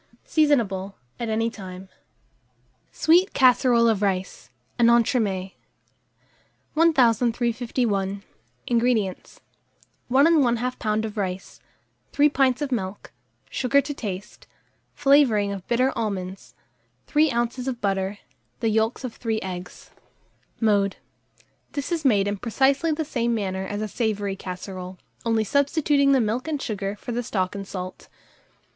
Seasonable at any time. SWEET CASSEROLE OF RICE (an Entremets). 1351. INGREDIENTS. 1 1/2 lb. of rice, 3 pints of milk, sugar to taste, flavouring of bitter almonds, 3 oz. of butter, the yolks of 3 eggs. Mode. This is made in precisely the same manner as a savoury casserole, only substituting the milk and sugar for the stock and salt.